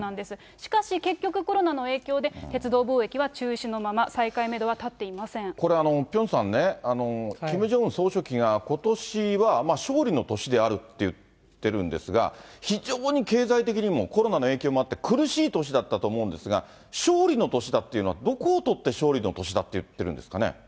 しかし結局、コロナの影響で、鉄道貿易は中止のまま、これ、ピョンさんね、キム・ジョンウン総書記がことしは勝利の年であるって言ってるんですが、非常に経済的にもコロナの影響もあって、苦しい年だったと思うんですが、勝利の年だっていうのは、どこを取って勝利の年だって言ってるんですかね。